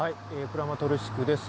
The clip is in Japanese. クラマトルシクです。